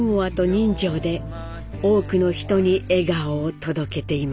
人情で多くの人に笑顔を届けています。